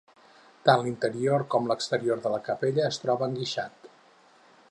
Tant l'interior com l'exterior de la capella es troba enguixat.